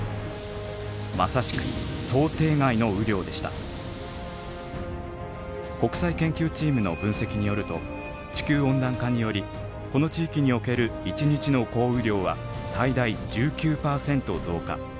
まさしく国際研究チームの分析によると地球温暖化によりこの地域における１日の降雨量は最大１９％増加。